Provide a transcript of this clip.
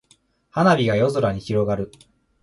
花火が夜空に広がる。